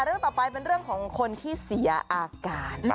เรื่องต่อไปเป็นเรื่องของคนที่เสียอาการ